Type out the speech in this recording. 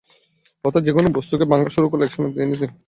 অর্থাৎ যেকোনো বস্তুকে ভাঙা শুরু করলে একসময় এই তিন কণিকাই পাব।